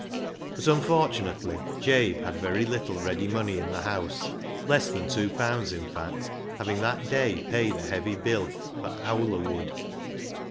But, unfortunately, Jabe had very little ready money in the house — less than two pounds, in THE MEMORY OF THE JUST 225 fact — having that day paid a heavy bill for " owler " wood.